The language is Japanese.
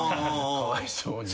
かわいそうにね。